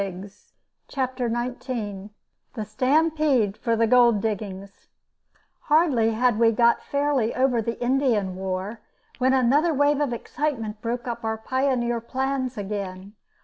] CHAPTER NINETEEN THE STAMPEDE FOR THE GOLD DIGGINGS HARDLY had we got fairly over the Indian War when another wave of excitement broke up our pioneer plans again.